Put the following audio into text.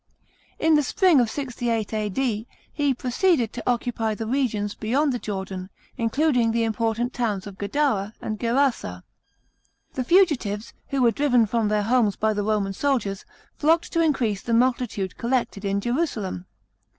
In the spring of 68 A.D., he proceeded to occupy the regions beyond the Jordan, including the imp rtant towns of Gadara at,d Gerasa. The fugitives, who were driven from their homes by the Roman soldiers, nocked to increase the multitude collected in Jerusalem.